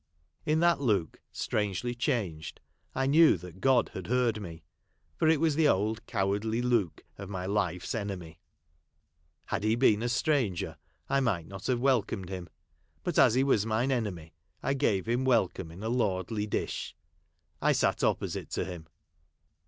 In that look, strangely changed, I knew that God had heard me*; for it AVHS the old cowardly look of my: life's enemy. Had he been a. stranger I might not have Avelcomed him, but as he Avas mine enemy, I gave him welcome in a lordly dish. I sat opposite to him.